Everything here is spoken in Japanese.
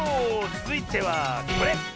つづいてはこれ！